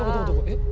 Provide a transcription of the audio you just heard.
えっ？